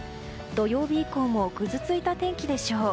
土曜日以降もぐずついた天気でしょう。